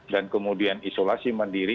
dan kemudian isolasi mandiri